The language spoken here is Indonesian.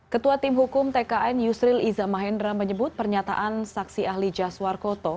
ketua tim hukum tkn yusril iza mahendra menyebut pernyataan saksi ahli jaswar koto